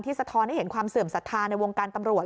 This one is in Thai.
สะท้อนให้เห็นความเสื่อมศรัทธาในวงการตำรวจ